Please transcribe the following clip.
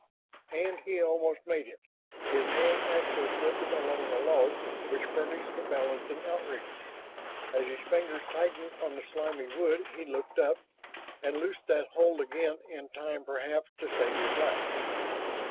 And he almost made it, his hand actually slipping along the log which furnished the balancing outrigger. As his fingers tightened on the slimy wood he looked up, and loosed that hold again in time perhaps to save his life.